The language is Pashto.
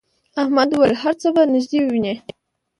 احمد وویل هر څه به نږدې ووینې.